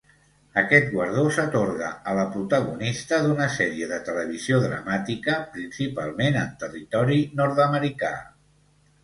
Aquest guardó s'atorga a la protagonista d'una sèrie de televisió dramàtica, principalment en territori nord-americà.